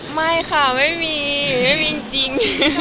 ไม่ค่ะไม่มีไม่มีจริง